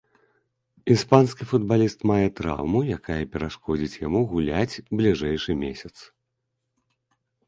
Іспанскі футбаліст мае траўму, якая перашкодзіць яму гуляць бліжэйшы месяц.